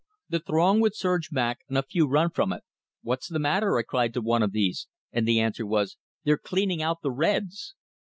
The throng would surge back, and a few run from it. "What's the matter?" I cried to one of these, and the answer was, "They're cleaning out the reds!"